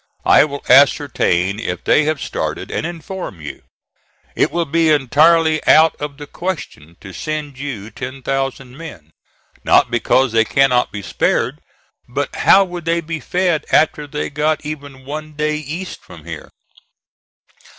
I will ascertain if they have started, and inform you. It will be entirely out of the question to send you ten thousand men, not because they cannot be spared, but how would they be fed after they got even one day east from here?"